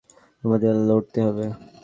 আমাদের লড়তে হবে!